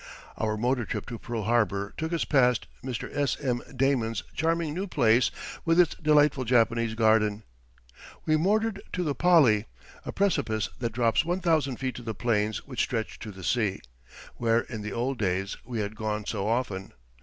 Our motor trip to Pearl Harbour took us past Mr. S. M. Damon's charming new place with its delightful Japanese garden. We motored to the Pali, a precipice that drops one thousand feet to the plains which stretch to the sea, where in the old days we had gone so often.